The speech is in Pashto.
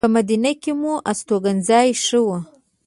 په مدینه کې مو استوګنځی ښه و.